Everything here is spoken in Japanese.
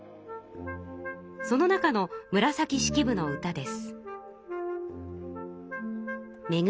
その中の紫式部の歌です。